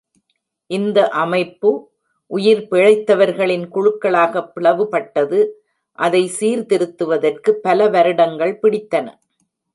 இந்த அமைப்பு உயிர் பிழைத்தவர்களின் குழுக்களாகப் பிளவுபட்டது, அதை சீர்திருத்துவதற்கு பல வருடங்கள் பிடித்தன.